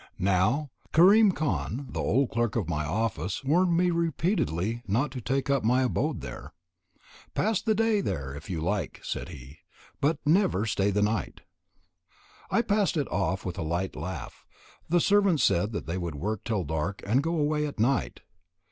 Now, Karim Khan, the old clerk of my office, warned me repeatedly not to take up my abode there. "Pass the day there, if you like," said he, "but never stay the night." I passed it off with a light laugh. The servants said that they would work till dark and go away at night.